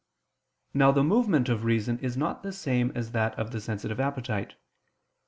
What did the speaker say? Now the movement of reason is not the same as that of the sensitive appetite.